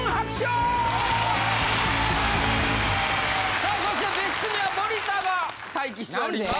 さあそして別室には森田が待機しております。